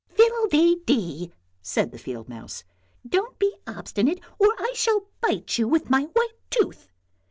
" Fiddle dee dee," said the field mouse; " don't be obstinate or I shall bite you with my white tooth.